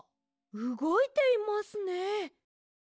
うごいていますね。